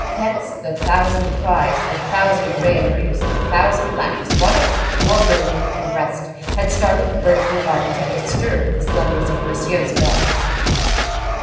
Thence the thousand cries, the thousand railleries, the thousand laughs, one of which, more brilliant than the rest, had startled the birds in the gardens, and disturbed the slumbers of Monsieur's guards.